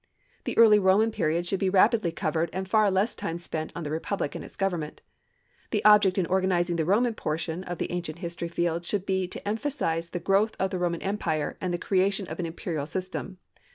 The early Roman period should be rapidly covered and far less time spent on the republic and its government. The object in organizing the Roman portion of the Ancient History field should be to emphasize the growth of the Roman empire and the creation of an imperial system.